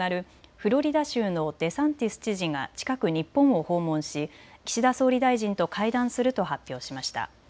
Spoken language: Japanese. フロリダ州のデサンティス知事が近く日本を訪問し岸田総理大臣と会談すると発表しました。